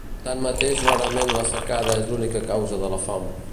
Tanmateix rarament la secada és l'única causa de la fam.